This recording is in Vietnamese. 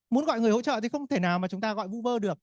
muốn gọi người hỗ trợ thì không thể nào mà chúng ta gọi vuber được